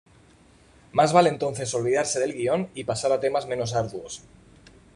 Más vale entonces olvidarse del guion y pasar a temas menos arduos...´´